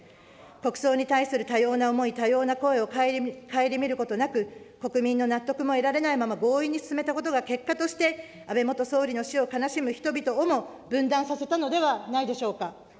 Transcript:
国葬に対する多様な思い、多様な声を顧みることなく、国民の納得も得られないまま、強引に進めたことは結果として、安倍元総理の死を悲しむ人々をも分断させたのではないでしょうか。